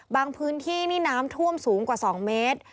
พื้นที่นี่น้ำท่วมสูงกว่า๒เมตร